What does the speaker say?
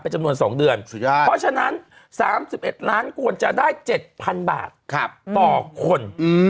จำนวน๒เดือนเพราะฉะนั้น๓๑ล้านควรจะได้๗๐๐บาทต่อคน